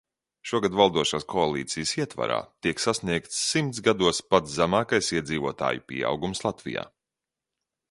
Šogad valdošās koalīcijas ietvarā tiek sasniegts simts gados pats zemākais iedzīvotāju pieaugums Latvijā.